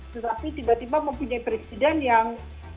tetapi tiba tiba mempunyai presiden yang